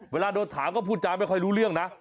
เวลาโดนถามก็พูดจาไม่ค่อยรู้เรื่องนะ